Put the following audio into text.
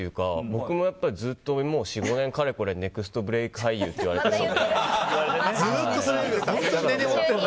僕もずっと４５年かれこれネクストブレーク俳優っていわれていて。